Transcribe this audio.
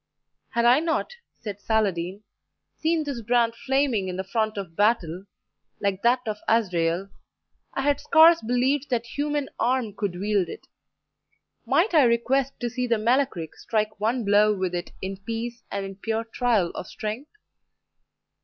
"Had I not," said Saladin, "seen this brand flaming in the front of battle, like that of Azrael, I had scarce believed that human arm could wield it. Might I request to see the Melech Ric strike one blow with it in peace and in pure trial of strength?"